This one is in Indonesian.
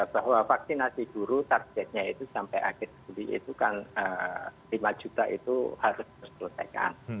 bahwa vaksinasi dulu targetnya itu sampai akhir juli itu kan lima juta itu harus diselesaikan